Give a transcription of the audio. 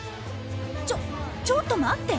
ちょっと待って！